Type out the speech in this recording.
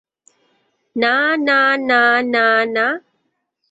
না না না না না!